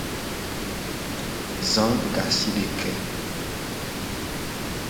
Za gasideke.